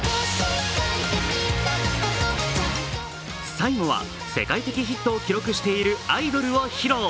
最後は世界的ヒットを記録している「アイドル」を披露。